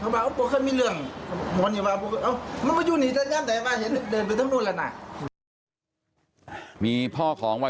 บอกว่าลูกชายถูกยิงที่ต้นขาขวานะครับ